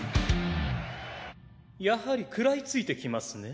やはり食らいついてきますね。